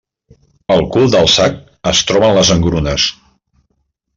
Al cul del sac es troben les engrunes.